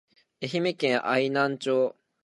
愛媛県愛南町